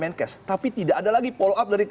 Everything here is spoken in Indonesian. menkes tapi tidak ada lagi follow up dari